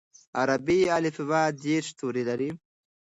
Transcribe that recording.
عربي الفبې دېرش توري لري.